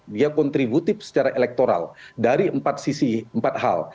dia kontributif secara elektoral dari empat sisi empat hal